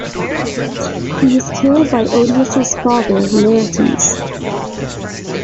He was killed by Odysseus' father, Laertes.